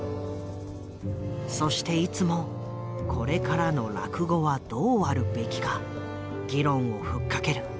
そしていつもこれからの落語はどうあるべきか議論をふっかける。